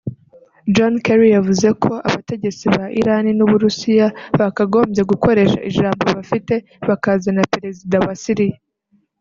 John Kerry yavuze ko abategetsi ba Irani n’Uburusiya bakagombye gukoresha ijambo bafite bakazana perezida wa Siriya